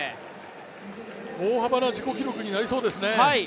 大幅な自己記録になりそうですね。